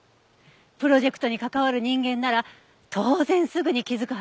プロジェクトに関わる人間なら当然すぐに気づくはず。